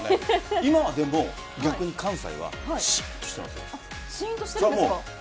今はでも、逆に関西はシーンとしています。